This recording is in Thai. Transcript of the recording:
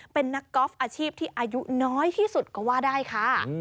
เป็นนักกอล์ฟอาชีพที่อายุน้อยที่สุดก็ว่าได้ค่ะ